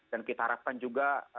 dan kita harapkan juga